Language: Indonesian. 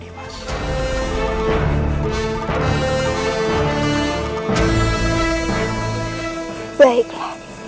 aku akan menangkapmu